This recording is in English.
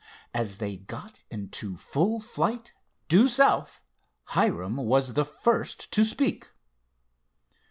As they got into full flight, due south, Hiram was the first to speak.